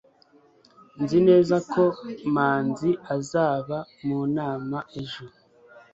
nzi neza ko manzi azaba mu nama ejo